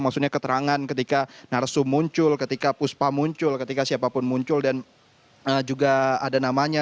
maksudnya keterangan ketika narsum muncul ketika puspa muncul ketika siapapun muncul dan juga ada namanya